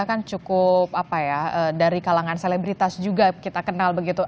kan cukup apa ya dari kalangan selebritas juga kita kenal begitu